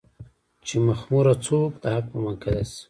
چې مخموره څوک د حق په ميکده شي